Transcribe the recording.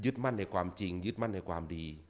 มั่นในความจริงยึดมั่นในความดี